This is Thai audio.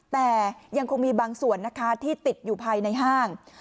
แต่ยังคงมีบางส่วนนะคะที่ติดอยู่ภายในห้าง